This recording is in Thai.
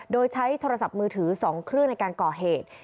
โดยใช้โทรศัพท์มือถือ๒เครื่องในการก่อเหตุ